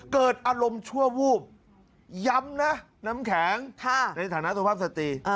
เกิดอารมณ์ชั่ววูบย้ำนะน้ำแข็งในฐานะสุภาพสตรี